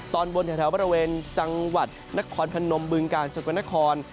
ตอนบนแถวบริเวณจังหวัดนครพนมบึงกาลสกลนคร